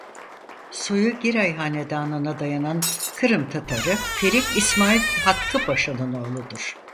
Soyu Giray Hanedanı'na dayanan Kırım Tatarı Ferik İsmail Hakkı Paşa'nın oğludur.